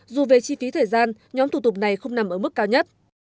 dù về chi phí thời gian nhóm thủ tục này không nằm ở mức cao nhất